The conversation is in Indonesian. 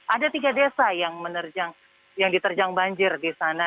ada tiga desa yang diterjang banjir di sana